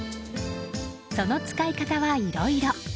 その使い方はいろいろ。